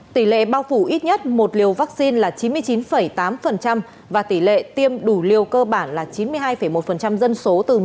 tỷ lệ bao phủ ít nhất một liều vaccine là chín mươi chín tám và tỷ lệ tiêm đủ liều cơ bản là chín mươi hai một dân số